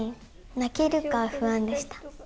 泣けるか不安でした。